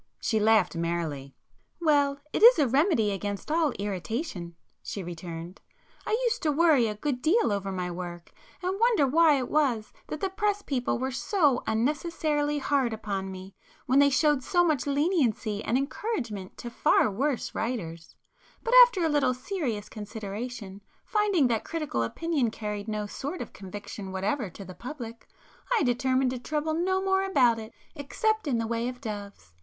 She laughed merrily. "Well, it is a remedy against all irritation,"—she returned; "I used to worry a good deal over my work, and wonder why it was that the press people were so unnecessarily hard upon me, when they showed so much leniency and encouragement to far worse writers,—but after a little serious consideration, finding that critical opinion carried no sort of conviction whatever to the public, I determined to trouble no more about it,—except in the way of doves!"